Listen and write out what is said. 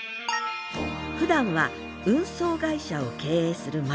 ふだんは運送会社を経営する前田さん。